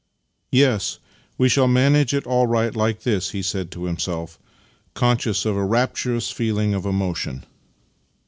" Yes, we shall manage it all right like this," he said to himself, conscious of a rapturous feeling of emotion.